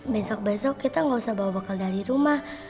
besok besok kita gak usah bawa bakal dari rumah